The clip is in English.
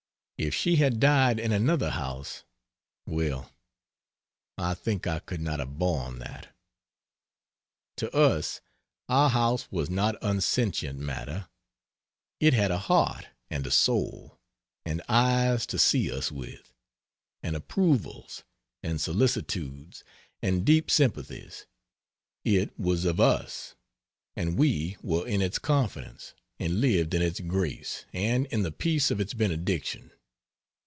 If she had died in another house well, I think I could not have borne that. To us, our house was not unsentient matter it had a heart, and a soul, and eyes to see us with; and approvals, and solicitudes, and deep sympathies; it was of us, and we were in its confidence, and lived in its grace and in the peace of its benediction.